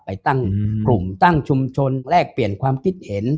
ไปตั้งกลุ่มตั้งชุมชนแลกเปลี่ยนความคิดเห็น